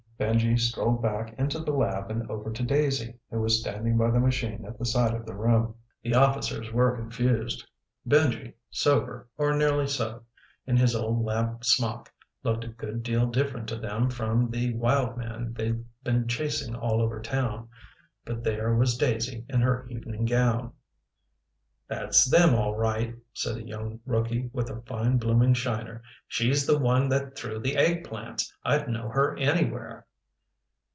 Benji strolled back into the lab and over to Daisy, who was standing by the machine at the side of the room. The officers were confused. Benji, sober or nearly so, in his old lab smock, looked a good deal different to them from the wild man they'd been chasing all over town. But there was Daisy in her evening gown. "That's them, all right," said a young rookie with a fine blooming shiner. "She's the one that threw the eggplants. I'd know her anywhere."